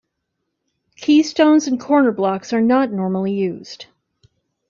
Keystones and corner blocks are not normally used.